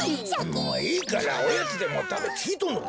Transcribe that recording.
もういいからおやつでもたべきいとんのか？